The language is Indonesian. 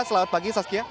selamat pagi saskia